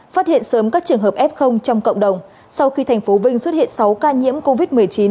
phát hiện sớm các trường hợp f trong cộng đồng sau khi thành phố vinh xuất hiện sáu ca nhiễm covid một mươi chín